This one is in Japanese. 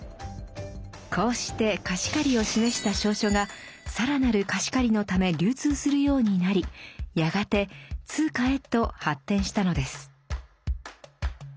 こうして貸し借りを示した証書が更なる貸し借りのため流通するようになりやがて通貨へと発展したのです。